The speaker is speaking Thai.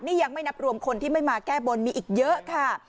นี่ยังไม่นับรวมคนที่ไม่มาแก้บนมีอีกเยอะค่ะ